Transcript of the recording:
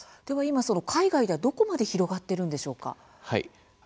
今、海外ではどこまで広がっているんでしょうか？